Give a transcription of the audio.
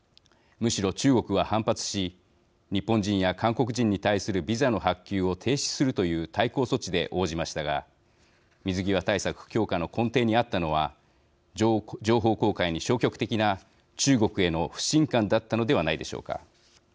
むしろ中国は反発し日本人や韓国人に対するビザの発給を停止するという対抗措置で応じましたが水際対策強化の根底にあったのは情報公開に消極的な中国への不信感だったのではないでしょうか。